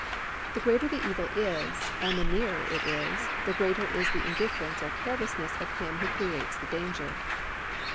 The greater the evil is, and the nearer it is, the greater is the indifference or carelessness of him who creates the danger.